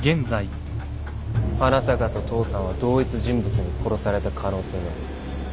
花坂と父さんは同一人物に殺された可能性がある。